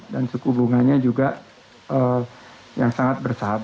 dan suku hubungannya juga yang sangat bersahabat